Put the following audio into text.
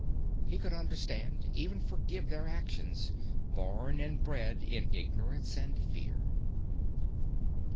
He could understand, even forgive their actions, born and bred in ignorance and fear.